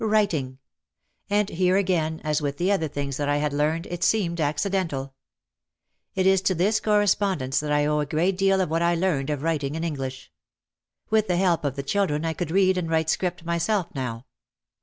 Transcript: Writing! And here again, as with the other things that I had learned, it seemed accidental. It is to this correspondence that I owe a great deal of what I learned of writing in English. With the help of the children I could read and write script myself now.